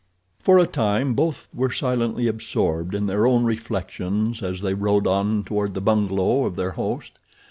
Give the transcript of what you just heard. For a time both were silently absorbed in their own reflections as they rode on toward the bungalow of their host.